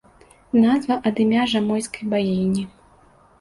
Назва ад імя жамойцкай багіні.